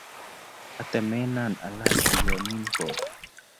Katemena alany tulwon nin koi.